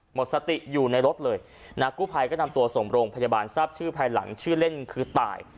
หมดสติอยู่ในรถเลยนะกู้ภัยก็นำตัวส่งโรงพยาบาลทราบชื่อภายหลังชื่อเล่นคือตาย